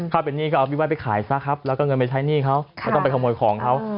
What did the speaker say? ถ้าเป็นหนี้ก็เอาพี่ไห้ไปขายซะครับแล้วก็เงินไปใช้หนี้เขาไม่ต้องไปขโมยของเขา